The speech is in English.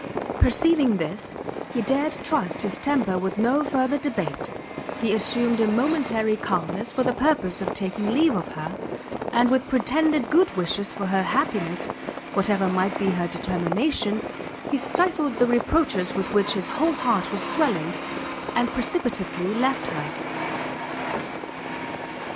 Perceiving this, he dared trust his temper with no further debate; he assumed a momentary calmness for the purpose of taking leave of her, and with pretended good wishes for her happiness, whatever might be her determination, he stifled the reproaches with which his whole heart was swelling, and precipitately left her.